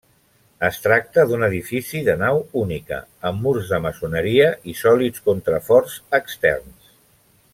Es tracta d'un edifici de nau única, amb murs de maçoneria i sòlids contraforts externs.